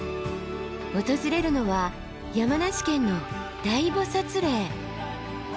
訪れるのは山梨県の大菩嶺。